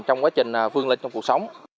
trong quá trình vương linh trong cuộc sống